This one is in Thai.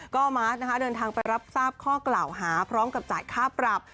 ก็มาร์ทนะคะเดินทางไปรับทราบข้อกล่าวหาพร้อมกับจ่ายค่าปรับ